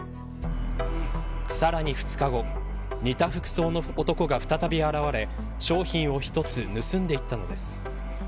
さらに２日後見た服装の男が再び現れ商品を１つ盗んでいったのです。